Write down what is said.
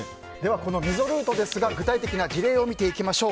この溝ルートですが具体的事例を見ていきましょう。